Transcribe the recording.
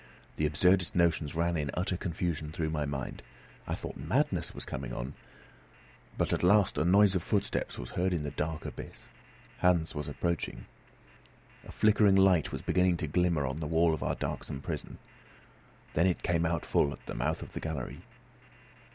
The absurdest notions ran in utter confusion through my mind. I thought madness was coming on! But at last a noise of footsteps was heard in the dark abyss. Hans was approaching. A flickering light was beginning to glimmer on the wall of our darksome prison; then it came out full at the mouth of the gallery.